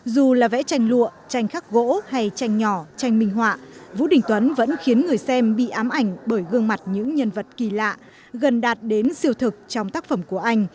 dù là vẽ tranh lụa tranh khắc gỗ hay tranh nhỏ tranh minh họa vũ đình tuấn vẫn khiến người xem bị ám ảnh bởi gương mặt những nhân vật kỳ lạ gần đạt đến siêu thực trong tác phẩm của anh